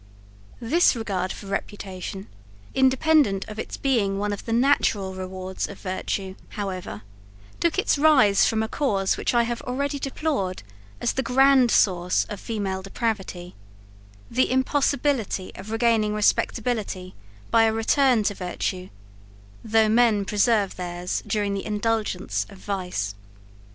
This regard for reputation, independent of its being one of the natural rewards of virtue, however, took its rise from a cause that I have already deplored as the grand source of female depravity, the impossibility of regaining respectability by a return to virtue, though men preserve theirs during the indulgence of vice.